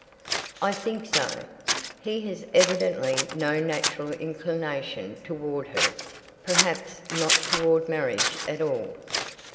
"I think so. He has evidently no natural inclination toward her perhaps not toward marriage at all.